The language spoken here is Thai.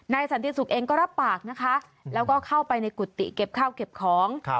สันติสุขเองก็รับปากนะคะแล้วก็เข้าไปในกุฏิเก็บข้าวเก็บของ